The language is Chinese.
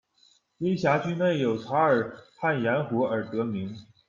因辖区内有察尔汗盐湖而得名。